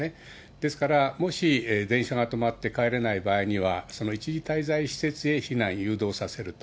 ですから、もし電車が止まって帰れない場合には、その一時滞在施設へ避難、誘導させると。